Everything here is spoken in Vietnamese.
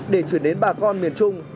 để chuyển đến bà con miền trung